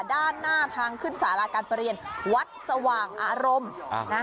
ด้านหน้าทางขึ้นสาฬาการเบรียรวัดสว่างอารมณ์